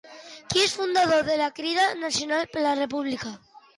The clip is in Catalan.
Qui és el fundador de la Crida Nacional per la República?